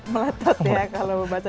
meletot ya kalau baca di rumah ya